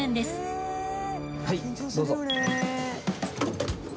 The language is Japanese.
はいどうぞ！